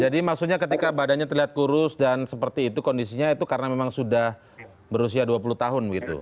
jadi maksudnya ketika badannya terlihat kurus dan seperti itu kondisinya itu karena memang sudah berusia dua puluh tahun begitu